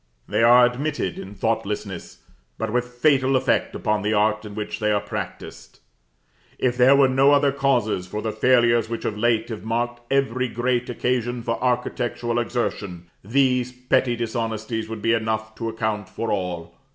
They are admitted in thoughtlessness, but with fatal effect upon the art in which they are practised. If there were no other causes for the failures which of late have marked every great occasion for architectural exertion, these petty dishonesties would be enough to account for all.